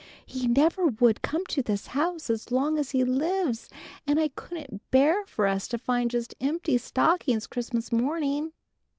He never would come to this house as long as he lives! And I couldn't bear for us to find just empty stockings Christmas morning."